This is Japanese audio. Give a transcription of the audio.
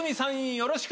よろしく。